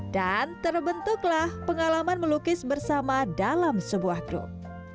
dan terbentuklah pengalaman melukis bersama dalam sebuah grup